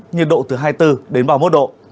nhiệt độ từ hai mươi bốn đến ba mươi một độ